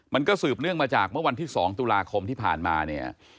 สืบเนื่องมาจากเมื่อวันที่๒ตุลาคมที่ผ่านมาเนี่ย